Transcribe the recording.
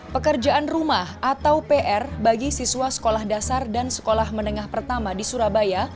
pekerjaan rumah atau pr bagi siswa sekolah dasar dan sekolah menengah pertama di surabaya